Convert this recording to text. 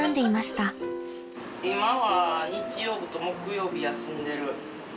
今は日曜日と木曜日休んでる。